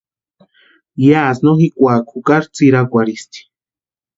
Yásïni no jikwaaka jukari tsʼirakwarhisti.